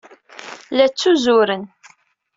La ttuzuren.